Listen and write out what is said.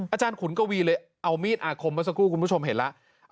อาจารย์ขุนกวีเลยเอามีดอาคมเมื่อสักครู่คุณผู้ชมเห็นแล้ว